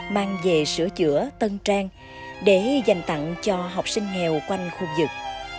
mang về sửa chữa tân trang để dành tặng cho học sinh nghèo quanh khu vực